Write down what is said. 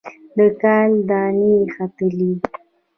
د کال دانې ختلي